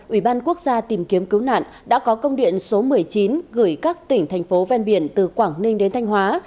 ủy ban quốc gia tìm kiếm cứu nạn đã có công điện số một mươi chín gửi các tỉnh thành phố ven biển từ quảng ninh đến thanh hóa